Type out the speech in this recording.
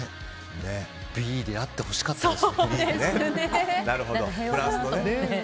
Ｂであってほしかったです。